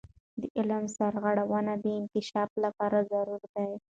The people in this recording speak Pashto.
د علم سرغړونه د انکشاف لپاره ضروري ده.